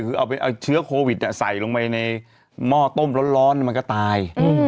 คือเอาไปเอาเชื้อโควิดใส่ลงไปในหม้อต้มร้อนมันก็ตาย